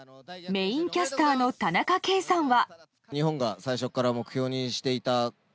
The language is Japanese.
メインキャスターの田中圭さんは。